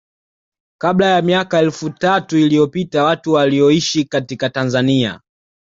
kabla ya miaka elfu tatu iliyopita watu walioishi katika Tanzania